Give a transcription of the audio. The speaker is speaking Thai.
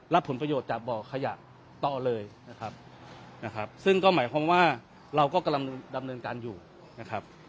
ผลประโยชน์จากบ่อขยะต่อเลยนะครับนะครับซึ่งก็หมายความว่าเราก็กำลังดำเนินการอยู่นะครับ